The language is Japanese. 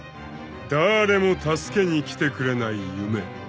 ［だれも助けに来てくれない夢］